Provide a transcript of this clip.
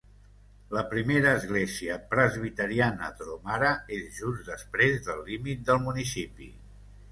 La Primera Església Presbiteriana Dromara és just després del límit del municipi.